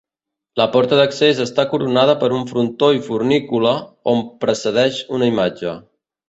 La porta d'accés està coronada per un frontó i fornícula, on precedeix una imatge.